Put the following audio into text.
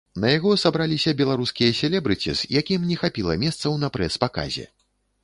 На яго сабраліся беларускія селебрыціз, якім не хапіла месцаў на прэс-паказе.